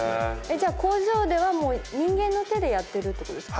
じゃあ工場ではもう人間の手でやってるっていうことですか？